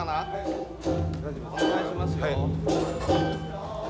お願いしますよ。